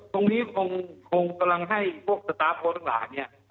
ตรงนี้ผมคงกำลังให้พวกสตาร์ฟโครชน์ทั้งหลาย